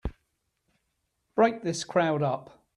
Break this crowd up!